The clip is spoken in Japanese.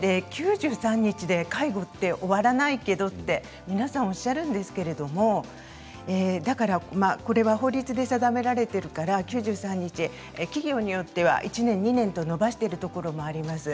９３日で介護って終わらないけれどと皆さんおっしゃるんですけれどだから、これは法律で定められているから９３日で企業によっては１年、２年と延ばしてるところもあります。